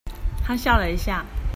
她笑了一下